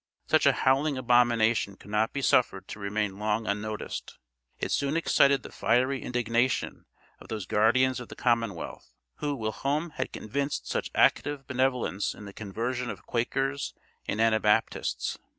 Such a howling abomination could not be suffered to remain long unnoticed; it soon excited the fiery indignation of those guardians of the commonwealth, who whilom had evinced such active benevolence in the conversion of Quakers and Anabaptists.